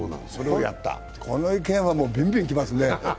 この意見はビンビンきますね。